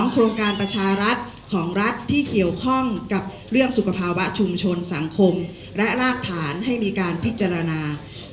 โครงการประชารัฐของรัฐที่เกี่ยวข้องกับเรื่องสุขภาวะชุมชนสังคมและรากฐานให้มีการพิจารณา